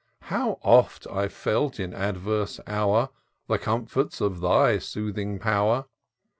How oft I've felt, in adverse hour. The comforts of thy soothing power!